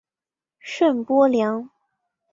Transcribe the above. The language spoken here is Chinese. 圣波良。